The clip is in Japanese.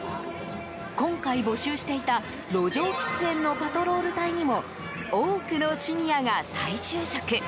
今回、募集していた路上喫煙のパトロール隊にも多くのシニアが再就職。